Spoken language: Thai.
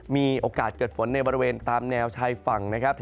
มีโอกาสเกิดฝนในบริเวณตามแนวชายฝั่งนะครับ